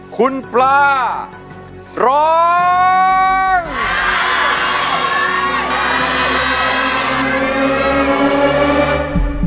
คุณปลาร้อง